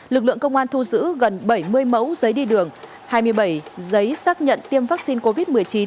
lực lượng công an thu giữ gần bảy mươi mẫu giấy đi đường hai mươi bảy giấy xác nhận tiêm vaccine covid một mươi chín